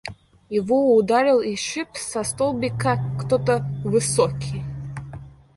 Его ударил и сшиб со столбика кто-то высокий.